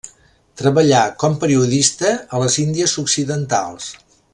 Treballà com periodista a les Índies Occidentals.